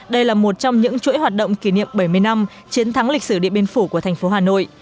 đây là một trong những chuỗi hoạt động kỷ niệm bảy mươi năm chiến thắng lịch sử điện biên phủ của thành phố hà nội